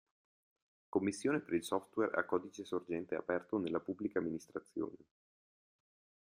Commissione per il Software a Codice Sorgente Aperto nella Pubblica Amministrazione.